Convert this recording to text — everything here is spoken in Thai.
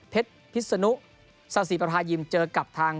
พิษนุสาสีประทายิมเจอกับทาง